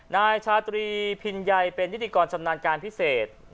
นายชาตรีพินัยเป็นนิติกรชำนาญการพิเศษ